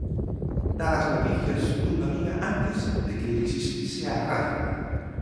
Dar as noticias dunha vila antes de que existise a radio.